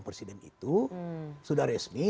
presiden itu sudah resmi